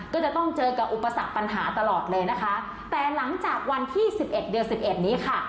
ก็จะต้องเจอกับอุปสรรคปัญหาตลอดเลยนะคะแต่หลังจากวันที่สิบเอ็ดเดือนสิบเอ็ดนี้ค่ะ